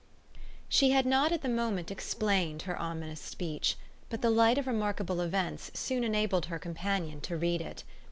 XII She had not at the moment explained her ominous speech, but the light of remarkable events soon enabled her companion to read it.